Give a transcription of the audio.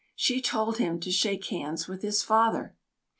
She told him to shake hands with his father.